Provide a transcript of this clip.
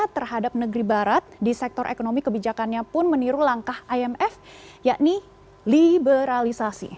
terhadap negeri barat di sektor ekonomi kebijakannya pun meniru langkah imf yakni liberalisasi